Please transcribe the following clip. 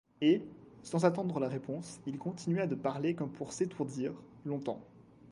Et, sans attendre la réponse, il continua de parler comme pour s’étourdir, longtemps.